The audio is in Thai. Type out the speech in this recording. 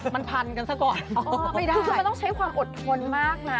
มันพันกันซะก่อนไม่ได้คือมันต้องใช้ความอดทนมากนะ